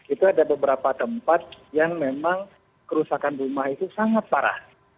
itu ada beberapa tempat yang memang kerusakan rumah itu sangat parah